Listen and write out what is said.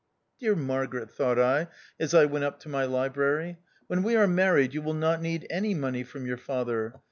Dear Margaret, thought I, as I went up to my library, when we are married you will not need any money from your father.